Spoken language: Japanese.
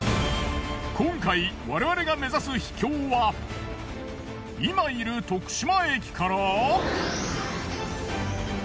今回我々が目指す秘境は今いる徳島駅から。